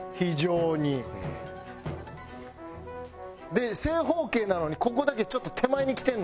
で正方形なのにここだけちょっと手前にきてるのよ。